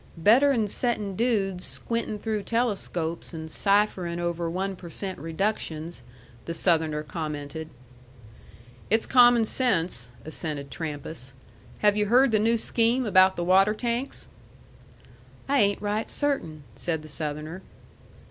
"Better'n settin' dudes squintin' through telescopes and cypherin' over one per cent reductions," the Southerner commented. "It's common sense," assented Trampas. "Have you heard the new scheme about the water tanks?" "I ain't right certain," said the Southerner.